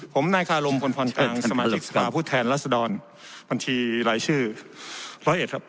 ผมนายคารมพลพรกลางสมาชิกสภาพผู้แทนรัศดรบัญชีรายชื่อร้อยเอ็ดครับ